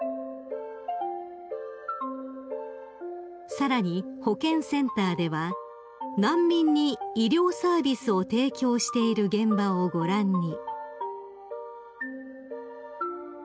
［さらに保健センターでは難民に医療サービスを提供している現場をご覧に］